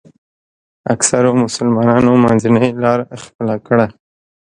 اکثرو مسلمانانو منځنۍ لاره خپله کړه.